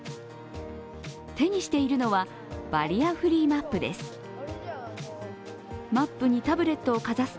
手にしているのはバリアフリーマップです。